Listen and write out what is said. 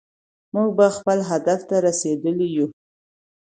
موږ به خپل هدف ته رسېدلي يو.